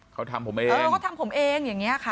เขาทำผมเอง